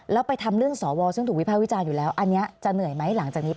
แล้วไปทำเรื่องสวซึ่งถูกวิภาควิจารณ์อยู่แล้วอันนี้จะเหนื่อยไหมหลังจากนี้ไป